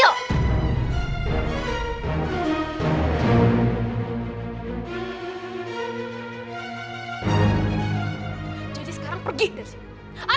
jadi sekarang pergi dari sini